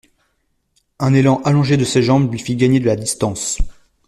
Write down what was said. Un élan allongé de ses jambes lui fit gagner de la distance.